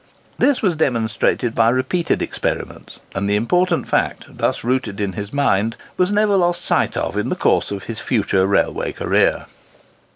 This was demonstrated by repeated experiments, and the important fact, thus rooted in his mind, was never lost sight of in the course of his future railway career.